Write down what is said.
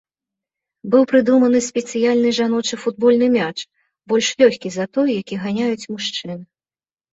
Быў прыдуманы спецыяльны жаночы футбольны мяч, больш лёгкі за той, які ганяюць мужчыны.